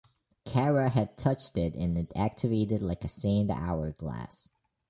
Cara had touched it and it activated like a sand hourglass.